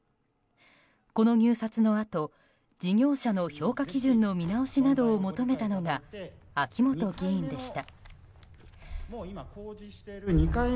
この入札のあと事業者の評価基準の見直しなどを求めたのが秋本議員でした。